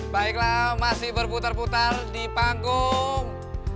baiklah masih berputar putar di panggung